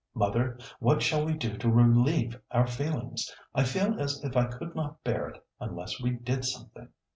Mother, what shall we do to relieve our feelings? I feel as if I could not bear it unless we did something."